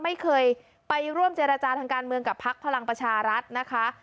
ไม่เคยไปร่วมเจรจาทางการเมืองกับพักพลังประชารัฐนะคะ